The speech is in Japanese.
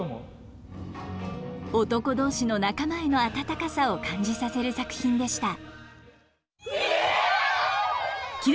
男同士の仲間への温かさを感じさせる作品でした。